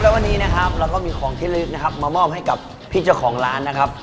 แล้ววันนี้นะครับเราก็มีของที่ลึกนะครับมามอบให้กับพี่เจ้าของร้านนะครับ